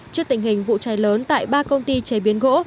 trước tình hình vụ cháy lớn tại ba công ty chế biến gỗ